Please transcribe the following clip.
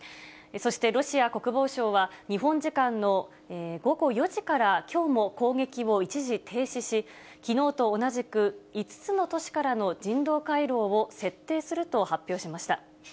そしてロシア国防省は、日本時間の午後４時から、きょうも攻撃を一時停止し、きのうと同じく５つの都市からの人道回廊を設定すると発表しました。